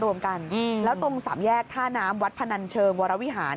รวมกันแล้วตรงสามแยกท่าน้ำวัดพนันเชิงวรวิหาร